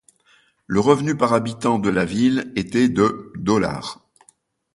Le revenu par habitant de la ville était de $.